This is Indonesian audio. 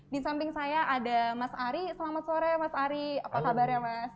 di samping saya ada mas ari selamat sore mas ari apa kabar ya mas